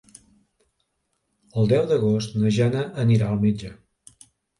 El deu d'agost na Jana anirà al metge.